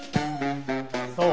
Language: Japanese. そう？